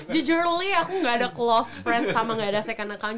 jujurly aku gak ada close friend sama gak ada second account